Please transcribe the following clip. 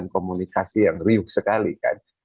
komunikasi yang riuh sekali kan